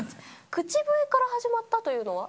口笛から始まったというのは？